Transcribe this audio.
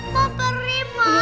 mama beri mama